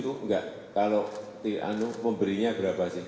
itu enggak kalau di anu memberinya berapa sih